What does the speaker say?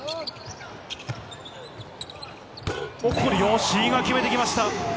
吉井が決めてきました。